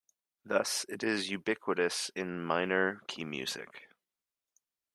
Thus, it is ubiquitous in minor-key music.